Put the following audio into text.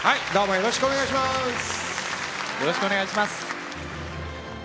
よろしくお願いします。